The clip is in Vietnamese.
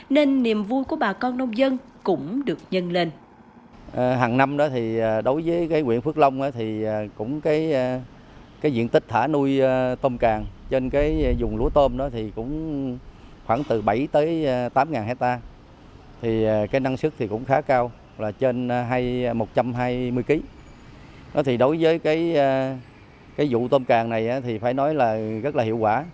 nên niềm vui của bà con nông dân cũng được nhân lên